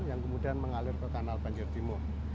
yang kemudian mengalir ke kanal banjir timur